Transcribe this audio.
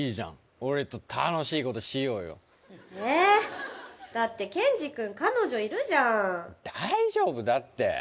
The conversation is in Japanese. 俺と楽しいことしようよえっだってけんじ君彼女いるじゃん大丈夫だって・